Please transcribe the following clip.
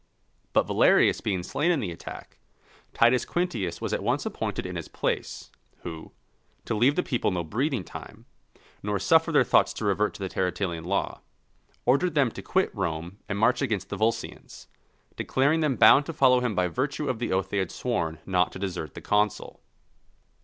But Valerius being slain in the attack, Titus Quintius was at once appointed in his place, who, to leave the people no breathing time, nor suffer their thoughts to revert to the Terentillian law, ordered them to quit Rome and march against the Volscians; declaring them bound to follow him by virtue of the oath they had sworn not to desert the consul.